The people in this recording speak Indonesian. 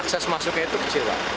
cukai itu kecil banget